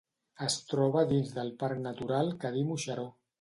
Es troba dins del parc natural Cadí-Moixeró.